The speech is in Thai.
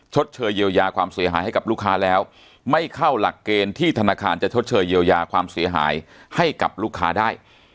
ชดเชยเยียวยาความเสียหายให้กับลูกค้าแล้วไม่เข้าหลักเกณฑ์ที่ธนาคารจะชดเชยเยียวยาความเสียหายให้กับลูกค้าได้